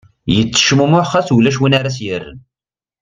Yettecmumuḥ ɣas ulac win ara ad as-yerren.